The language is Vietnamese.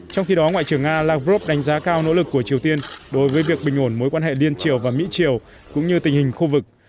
trong khi đó ngoại trưởng nga lavrov đánh giá cao nỗ lực của triều tiên đối với việc bình ổn mối quan hệ liên triều và mỹ triều cũng như tình hình khu vực